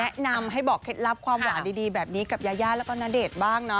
แนะนำให้บอกเคล็ดลับความหวานดีแบบนี้กับยายาแล้วก็ณเดชน์บ้างเนาะ